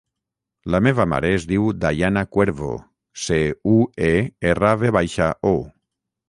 La meva mare es diu Dayana Cuervo: ce, u, e, erra, ve baixa, o.